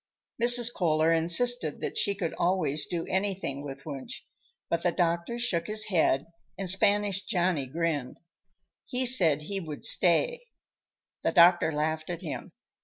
Mrs. Kohler insisted that she could always do anything with Wunsch, but the doctor shook his head and Spanish Johnny grinned. He said he would stay. The doctor laughed at him.